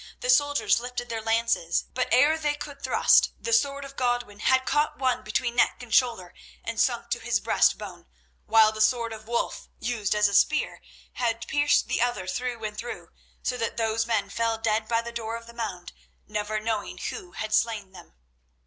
The soldiers lifted their lances, but ere they could thrust the sword of Godwin had caught one between neck and shoulder and sunk to his breast bone, while the sword of Wulf, used as a spear, had pierced the other through and through, so that those men fell dead by the door of the mound, never knowing who had slain them.